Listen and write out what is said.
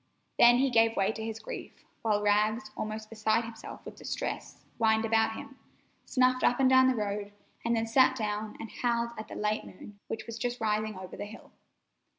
Then he gave way to his grief, while Rags, almost beside himself with distress, whined about him, snuffed up and down the road, and then sat down and howled at the late moon, which was just rising over a hill.